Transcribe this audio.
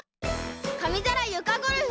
かみざらゆかゴルフ！